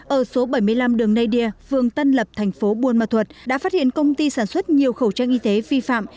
ở số bảy mươi năm đường nay đia phường tân lập thành phố buôn ma thuật đã phát hiện công ty sản xuất nhiều khẩu trang y tế vi phạm